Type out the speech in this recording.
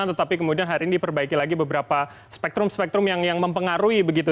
tetapi kemudian hari ini diperbaiki lagi beberapa spektrum spektrum yang mempengaruhi begitu